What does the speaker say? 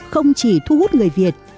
không chỉ thu hút người việt